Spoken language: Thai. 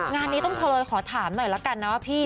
งานนี้ต้องโทรขอถามหน่อยละกันนะว่าพี่